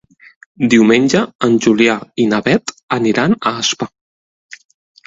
Diumenge en Julià i na Beth aniran a Aspa.